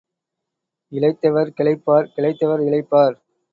இளைத்தவர் கிளைப்பார் கிளைத்தவர் இளைப்பார்.